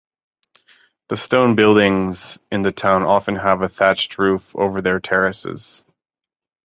The stone buildings in the town often have a thatched roof over their terraces.